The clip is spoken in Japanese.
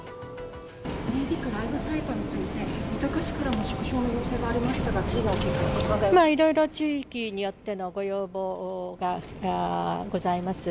オリンピックライブサイトについて、三鷹市からも縮小の要請がありましたが、まあいろいろ地域によってのご要望がございます。